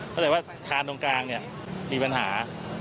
เข้าใจว่าคานตรงกลางเนี่ยมีปัญหา